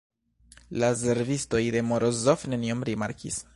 La servistoj de Morozov nenion rimarkis.